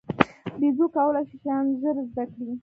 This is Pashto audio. بیزو کولای شي شیان ژر زده کړي.